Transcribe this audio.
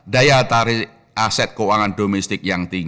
daya tarik aset keuangan domestik